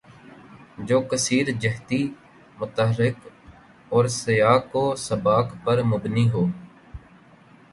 جو کثیر جہتی، متحرک اور سیاق و سباق پر مبنی ہو